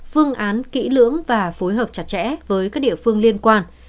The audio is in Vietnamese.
phương án kỹ lưỡng và phối hợp chặt chẽ với các địa phương liên quan